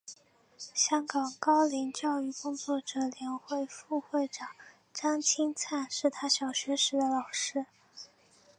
香港高龄教育工作者联会副会长张钦灿是他小学时的老师。